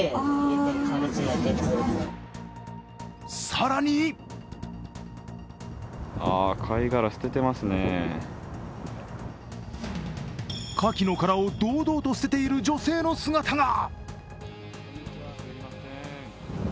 更にカキの殻を堂々と捨てている女性の姿が。